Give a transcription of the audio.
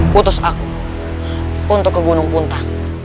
putus aku untuk ke gunung puntang